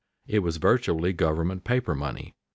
It was virtually government paper money.